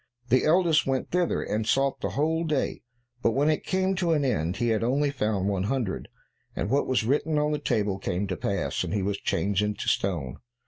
The eldest went thither, and sought the whole day, but when it came to an end, he had only found one hundred, and what was written on the table came to pass, and he was changed into stone.